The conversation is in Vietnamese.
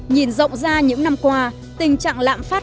nhìn rộng ra những năm qua tình trạng lạm phát